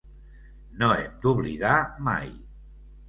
No hem d’oblidar, mai.